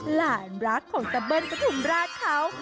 หลานรักของตะเบิ้ลปฐุมราชเขา